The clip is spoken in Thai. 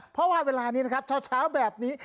เพราะว่าเวลานี้นะครับเช้าแบบนี้